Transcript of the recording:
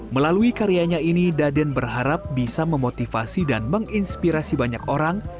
melalui karyanya ini daden berharap bisa memotivasi dan menginspirasi banyak orang